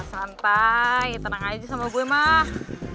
santai tenang aja sama gue mah